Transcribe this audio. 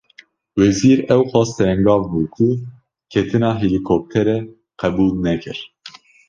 Wezîr, ew qas tengav bû ku ketina helîkopterê qebûl nekir